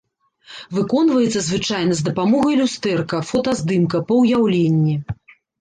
Выконваецца звычайна з дапамогай люстэрка, фотаздымка, па ўяўленні.